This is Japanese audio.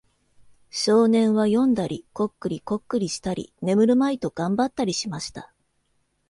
少年は読んだり、コックリコックリしたり、眠るまいと頑張ったりしました。